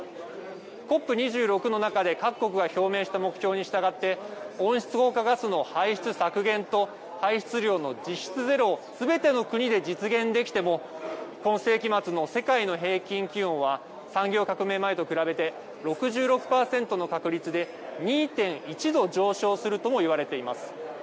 ＣＯＰ２６の中で各国が表明した目標に従って、温室効果ガスの排出削減と排出量の実質ゼロをすべての国で実現できても、今世紀末の世界の平均気温は産業革命前と比べて６６％の確率で２．１度上昇するともいわれています。